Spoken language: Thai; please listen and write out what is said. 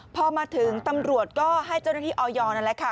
พอมาถึงตำรวจก็ให้เจ้าหน้าที่ออยนั่นแหละค่ะ